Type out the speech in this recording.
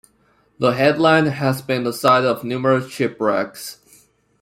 The headland has been the site of numerous ship wrecks.